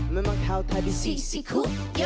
memang kau tak di sisiku